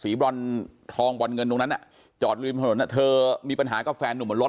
สีบรรดิ์ทองบรรเงินตรงนั้นน่ะจอดริมถนนน่ะเธอมีปัญหากับแฟนหนุ่มรถ